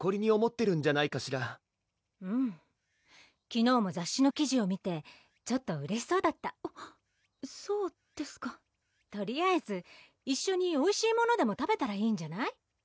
昨日も雑誌の記事を見てちょっとうれしそうだったそうですかとりあえず一緒においしいものでも食べたらいいんじゃない？